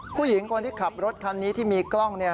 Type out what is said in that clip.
ผู้หญิงคนที่ขับรถคันนี้ที่มีกล้อง